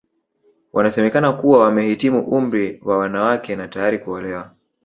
Wanasemekana kuwa wamehitimu umri wa wanawake na tayari kuolewa